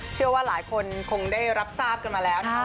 เชื่อว่าหลายคนคงได้รับทราบกันมาแล้วนะครับ